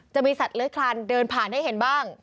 จะมีสัตว์เลื้อยคลานเดินผ่านให้เห็นบ้าง